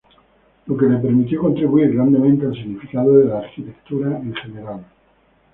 Lo que le permitió contribuir grandemente al significado de la arquitectura en general.